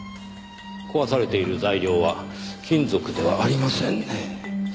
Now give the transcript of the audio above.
壊されている材料は金属ではありませんねぇ。